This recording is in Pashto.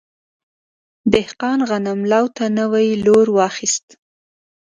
دهقان غنم لو ته نوی لور واخیست.